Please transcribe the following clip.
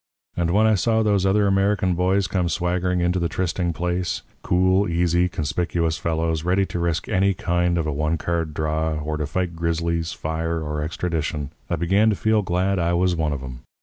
And when I saw those other American boys come swaggering into the trysting place cool, easy, conspicuous fellows, ready to risk any kind of a one card draw, or to fight grizzlies, fire, or extradition, I began to feel glad I was one of 'em.